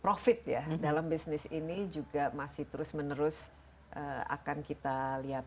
profit ya dalam bisnis ini juga masih terus menerus akan kita lihat